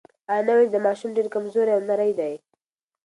انا وویل چې دا ماشوم ډېر کمزوری او نری دی.